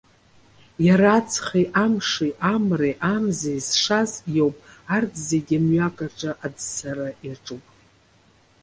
Иара, аҵхи амши, амреи амзеи зшаз иоуп. Арҭ зегьы, мҩак аҿы аӡсара иаҿуп.